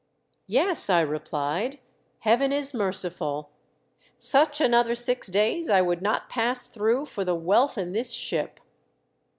"Yes," I replied, "Heaven is merciful. Such another six days I would not pass through for the wealth in this ship."